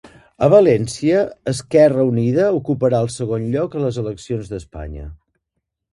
A València, Esquerra Unida ocuparà el segon lloc a les eleccions d'Espanya.